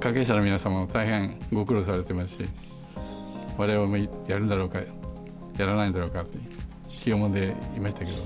関係者の皆様も大変ご苦労されてますし、われわれもやるんだろうか、やらないんだろうかと、気をもんでいましたけれども。